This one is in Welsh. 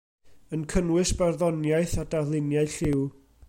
Yn cynnwys barddoniaeth a darluniau lliw.